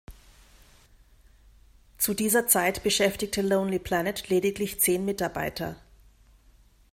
Zu dieser Zeit beschäftigte Lonely Planet lediglich zehn Mitarbeiter.